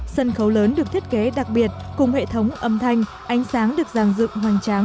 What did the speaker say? sân khấu lớn được thiết kế đặc biệt cùng hệ thống âm thanh ánh sáng được giàng dựng hoàn trang